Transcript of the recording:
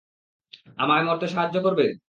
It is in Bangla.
আমায় মরতে সাহায্য করবে?